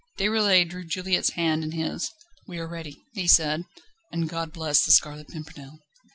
Déroulède drew Juliette's hand in his. "We are ready," he said; "and God bless the Scarlet Pimpernel."